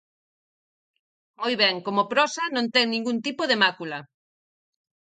Moi ben, como prosa non ten ningún tipo de mácula.